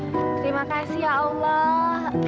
engkau selalu memberikan rezeki buat hambamu